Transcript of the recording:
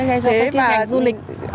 cái đội xe đạp của mình